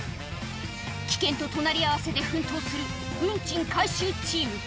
危険と隣り合わせで奮闘する運賃回収チーム。